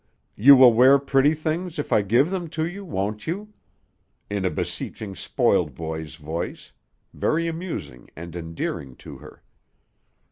You will wear pretty things, if I give them to you, won't you?" in a beseeching spoiled boy's voice, very amusing and endearing to her.